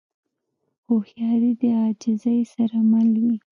هوښیاري د عاجزۍ سره مل وي.